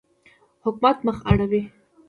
حکومت مخ را اړوي.